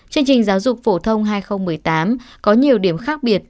chương trình giáo dục phổ thông hai nghìn một mươi tám có nhiều điểm khác biệt